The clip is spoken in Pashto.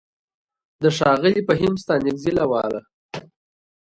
د ښاغلي فهيم ستانکزي له واله: